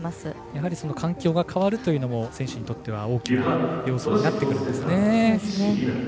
やはり、環境が変わるというのも選手にとっては大きな要素になってくるんですね。